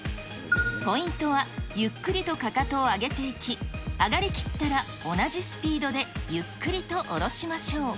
ポイントは、ゆっくりとかかとを上げていき、上がりきったら同じスピードでゆっくりと下ろしましょう。